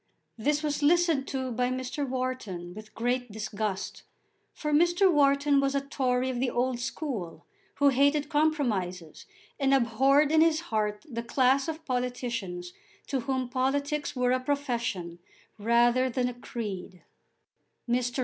This was listened to by Mr. Wharton with great disgust, for Mr. Wharton was a Tory of the old school, who hated compromises, and abhorred in his heart the class of politicians to whom politics were a profession rather than a creed. Mr.